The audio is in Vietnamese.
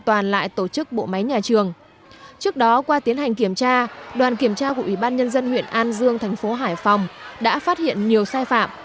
trước đó qua tiến hành kiểm tra đoàn kiểm tra của ubnd huyện an dương thành phố hải phòng đã phát hiện nhiều sai phạm